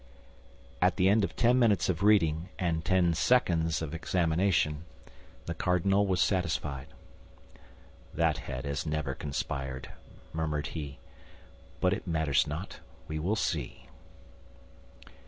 At the end of ten minutes of reading and ten seconds of examination, the cardinal was satisfied. "That head has never conspired," murmured he, "but it matters not; we will see."